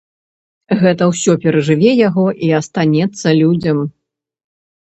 Гэта ўсё перажыве яго і астанецца людзям.